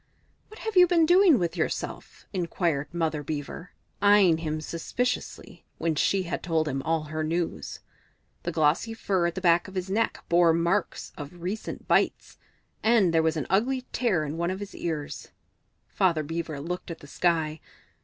"What have you been doing with yourself?" inquired Mother Beaver, eyeing him suspiciously, when she had told him all her news. The glossy fur at the back of his neck bore marks of recent bites, and there was an ugly tear in one of his ears. Father Beaver looked at the sky.